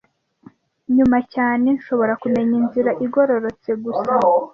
Nyuma cyane, nshobora kumenya inzira igororotse gusa,